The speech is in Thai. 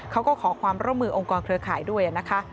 เขาก็ขอความร่วมมือองค์กรเครือข่ายด้วยนะคะ